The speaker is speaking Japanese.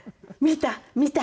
「見た？